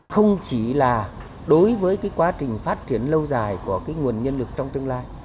không chỉ là đối với quá trình phát triển lâu dài của nguồn nhân lực trong tương lai